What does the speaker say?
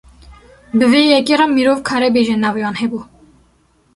Bi vê yekê re mirov karê bêje navê wan hebû.